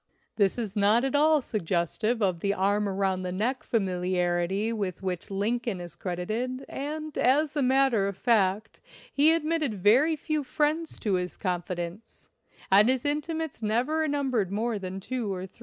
This is not at all suggestive of the arm around the neck familiarity with which Lincoln is credited, and, as a matter of fact, he admitted very few friends to his confidence, and his inti mates never numbered more than two or three.